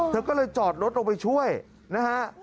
เธอก็เลยจอดรถลงไปช่วยนะฮะ